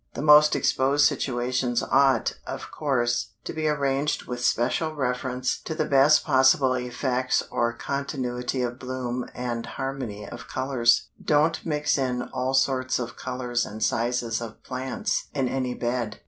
The most exposed situations ought, of course, to be arranged with special reference to the best possible effects or continuity of bloom and harmony of colors. Don't mix in all sorts of colors and sizes of plants in any bed.